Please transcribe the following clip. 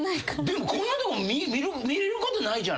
でもこんなとこ見えることないじゃない。